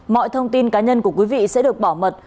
mọi thông tin cá nhân của quý vị sẽ được bảo mật